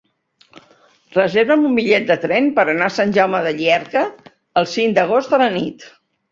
Reserva'm un bitllet de tren per anar a Sant Jaume de Llierca el cinc d'agost a la nit.